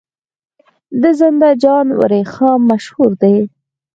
د زنده جان وریښم مشهور دي